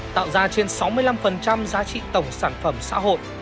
tạo ra trên sáu mươi năm giá trị tổng sản phẩm xã hội